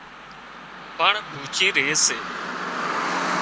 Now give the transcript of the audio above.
پاڻ ڀوڇي ري سي